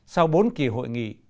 sau bốn kỳ hội nghị